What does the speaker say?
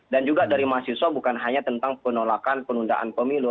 dan juga dari mahasiswa bukan hanya tentang penolakan penundaan pemilu